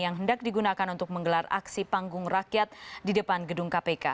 yang hendak digunakan untuk menggelar aksi panggung rakyat di depan gedung kpk